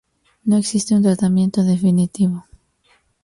No existe un tratamiento definitivo.